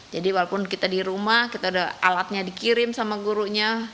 jadi walaupun kita di rumah kita udah alatnya dikirim sama gurunya